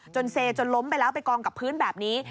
เซจนล้มไปแล้วไปกองกับพื้นแบบนี้